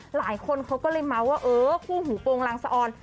หลายคนเขาก็เลยเมาส์ว่าเออคู่หูโปรงลางสะออน